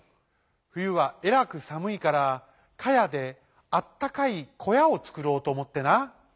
ふゆはえらくさむいからかやであったかいこやをつくろうとおもってな」。